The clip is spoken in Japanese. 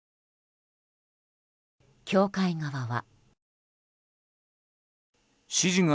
教会側は。